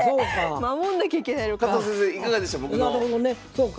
守んなきゃいけないのか。